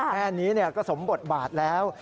แค่นี้ก็สมบทบาทแล้ว